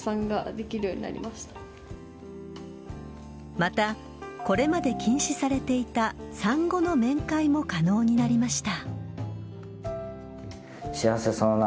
また、これまで禁止されていた産後の面会も可能になりました。